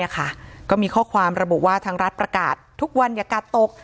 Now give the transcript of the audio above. ก็มีข้อความระบุว่าทางรัฐประกาศทุกวันอย่ากาดตก